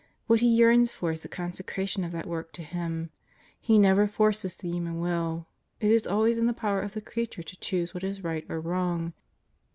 What He yearns for is the consecration of that work to Him. He never forces the human will. It is always in the power of the creature to choose what is right or wrong.